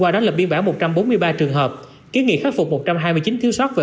về phòng cháy chữa cháy